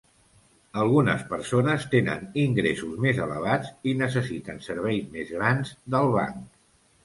Algunes persones tenen ingressos més elevats i necessiten serveis més grans del banc.